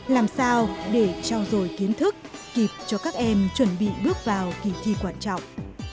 làm sao để trao dồi kiến thức kịp cho các em chuẩn bị bước vào kỳ thi quan trọng